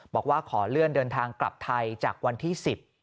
บอกว่าขอเลื่อนเดินทางกลับไทยจากวันที่๑๐